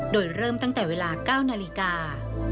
โดยเริ่มตั้งแต่เวลา๙นาฬิกา